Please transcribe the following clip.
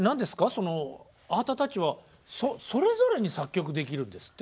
そのあなたたちはそれぞれに作曲できるんですって？